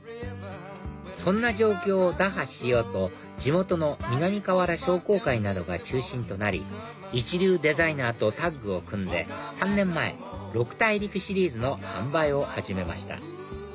そんな状況を打破しようと地元の南河原商工会などが中心となり一流デザイナーとタッグを組んで３年前六大陸シリーズの販売を始めました